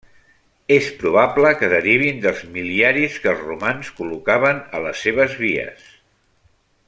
És probable que derivin dels mil·liaris que els romans col·locaven a les seves vies.